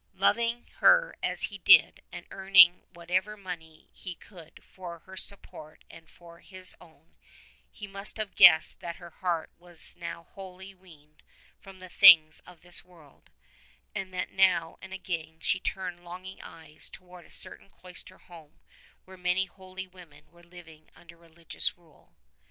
Loving her as he did and earning whatever money he could for her support and for his own, he must have guessed that her heart was now wholly weaned from the things of this world, and that now and again she turned longing eyes towards a certain cloister home where many holy women were living under a religious rule.